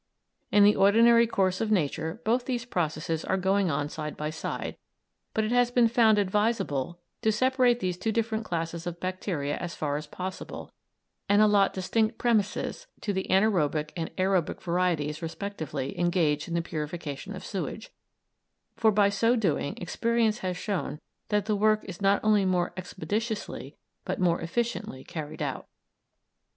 In the ordinary course of nature both these processes are going on side by side, but it has been found advisable to separate these two different classes of bacteria as far as possible, and allot distinct premises to the anaërobic and aërobic varieties respectively engaged in the purification of sewage, for by so doing experience has shown that the work is not only more expeditiously, but also more efficiently, carried out.